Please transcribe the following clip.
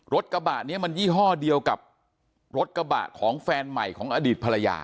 รถกระบะนี้มันยี่ห้อเดียวกับรถกระบะของแฟนใหม่ของอดีตภรรยา